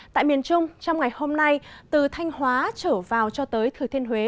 tại miền trung trong ngày hôm nay từ thanh hóa trở vào cho tới thừa thiên huế